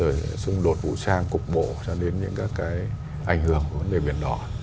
rồi xung đột vũ trang cục bộ cho đến những các cái ảnh hưởng của vấn đề biển đỏ